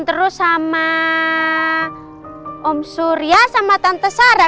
terus sama om surya sama tante sarah